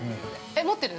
持ってる？